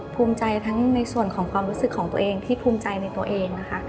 ภูมิใจทั้งในส่วนของความรู้สึกของตัวเองที่ภูมิใจในตัวเองนะคะ